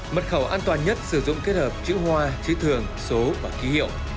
mật khẩu an toàn nhất sử dụng kết hợp chữ hoa chữ thường số và ký hiệu